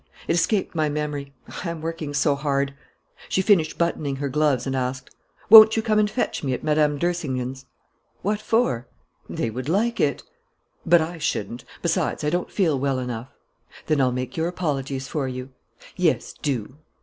"It escaped my memory; I am working so hard." She finished buttoning her gloves and asked: "Won't you come and fetch me at Mme. d'Ersingen's?" "What for?" "They would like it." "But I shouldn't. Besides, I don't feel well enough." "Then I'll make your apologies for you." "Yes, do."